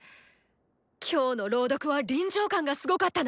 今日の朗読は臨場感がすごかったな！